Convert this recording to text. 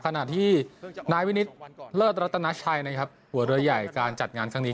ขณะที่นายวินิตเลิศรัตนาชัยนะครับหัวเรือใหญ่การจัดงานครั้งนี้